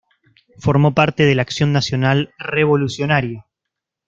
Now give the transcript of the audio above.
Formó parte de la Acción Nacional Revolucionaria.